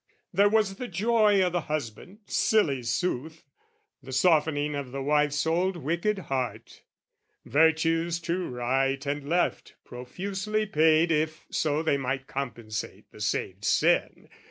There was the joy o' the husband silly sooth, The softening of the wife's old wicked heart, Virtues to right and left, profusely paid If so they might compensate the saved sin.